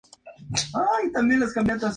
Durante la contienda llegó a afiliarse a Falange.